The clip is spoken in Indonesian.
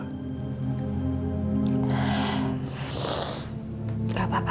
gak apa apa kok kak